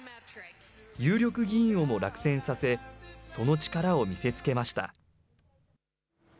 有力議員をも落選させその力を見せつけました。